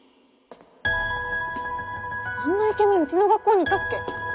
あんなイケメンうちの学校にいたっけ？